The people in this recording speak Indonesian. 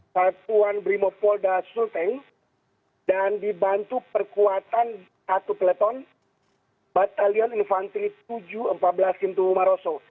satuan brimopolda sulteng dan dibantu perkuatan satu peleton batalion infanteri tujuh ratus empat belas pintu maroso